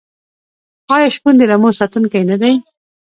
آیا شپون د رمو ساتونکی نه دی؟